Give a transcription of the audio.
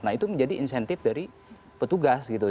nah itu menjadi insentif dari petugas gitu